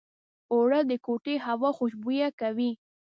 اوړه د کوټې هوا خوشبویه کوي